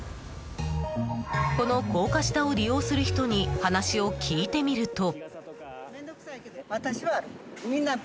この高架下を利用する人に話を聞いてみると。